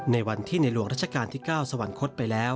ในวันที่ในหลวงรัชกาลที่๙สวรรคตไปแล้ว